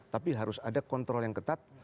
tapi harus ada kontrol yang ketat